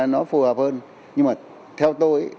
nó phù hợp hơn nhưng mà theo tôi